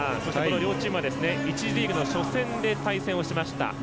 両チームは１次リーグの初戦で対戦をしました。